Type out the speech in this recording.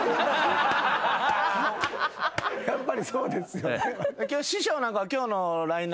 やっぱりそうですよね。